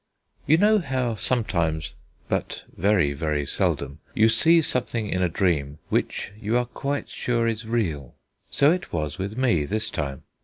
You know how sometimes but very, very seldom you see something in a dream which you are quite sure is real. So it was with me this time.